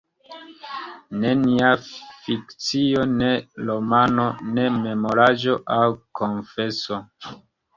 Nenia fikcio, ne romano, ne memoraĵo aŭ konfeso.